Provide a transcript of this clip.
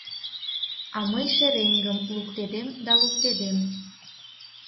А мый шереҥгым луктедем да луктедем.